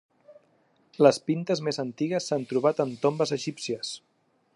Les pintes més antigues s'han trobat en tombes egípcies.